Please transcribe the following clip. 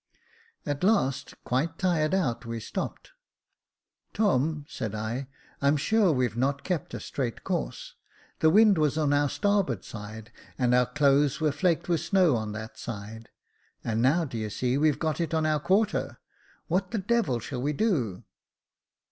At last, quite tired out, we stopped. Tom," said I, *' I'm sure we've not kept a straight course. The wind was on our starboard side, and our clothes were flaked with snow on that side, and now you see we've got it in our quarter. What the devil shall we do